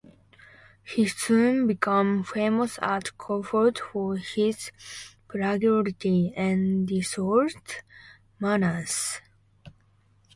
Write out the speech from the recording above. He soon became famous at court for his prodigality and dissolute manners.